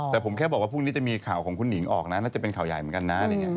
แต่ผมแค่บอกว่าพรุ่งนี้จะมีข่าวของคุณหนิงออกนะน่าจะเป็นข่าวใหญ่เหมือนกันนะอะไรอย่างนี้